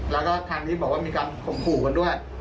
แล้วก็ทางนี้บอกว่ามีการข่มขู่กันด้วย